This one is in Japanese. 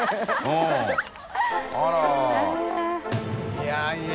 いやいや。